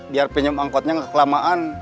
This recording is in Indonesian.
biar pinjam angkotnya nggak kelamaan